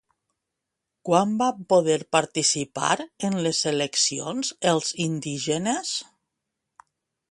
Quan van poder participar en les eleccions els indígenes?